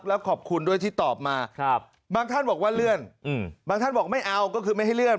แล้วขอบคุณด้วยที่ตอบมาบางท่านบอกว่าเลื่อนบางท่านบอกไม่เอาก็คือไม่ให้เลื่อน